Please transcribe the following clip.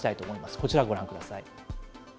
こちらをご覧ください。